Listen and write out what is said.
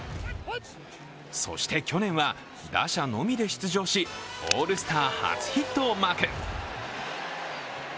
そして去年は、打者のみで出場し、オールスター初ヒットをマーク。